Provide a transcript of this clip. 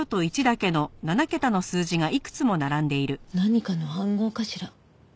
何かの暗号かしら？